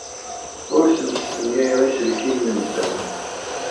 Ur asen-stenyayeɣ iselkinen-nsen.